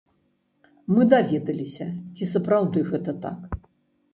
Мы даведаліся, ці сапраўды гэта так.